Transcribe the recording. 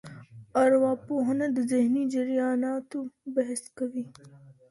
ارواپوهنه د ذهني جرياناتو بحث کوي.